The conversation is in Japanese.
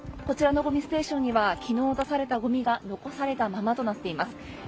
こちらのごみステーションには昨日出されたごみが残されたままとなっています。